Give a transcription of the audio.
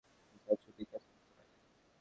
যা ছোটির কাজে আসতে পারে।